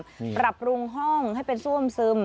กระเบื้องสวยงามปรับรวงห้องให้เป็นซ่วมซึม